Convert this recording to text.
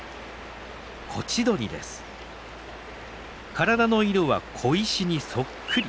体の色は小石にそっくり。